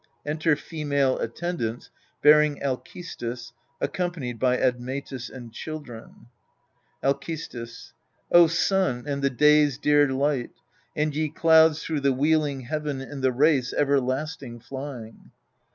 Enter FEMALE ATTENDANTS bearing ALCESTIS, accom panied by ADMETUS and CHILDREN Alcestis. O Sun, and the day's dear light, And ye clouds through the wheeling heaven in the race everlasting flying